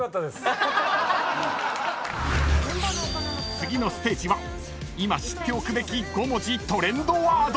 ［次のステージは今知っておくべき５文字トレンドワード！］